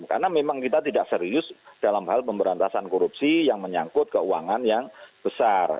karena memang kita tidak serius dalam hal pemberantasan korupsi yang menyangkut keuangan yang besar